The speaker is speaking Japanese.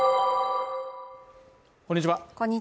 こんにちは。